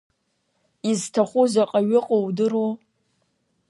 Изҭаху заҟаҩы ыҟоу удыруоу?